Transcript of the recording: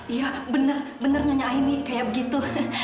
iya bener bener nyanyi aini kayak begitu